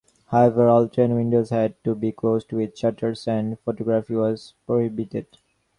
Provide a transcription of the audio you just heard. However all train windows had to be closed with shutters, and photography was prohibited.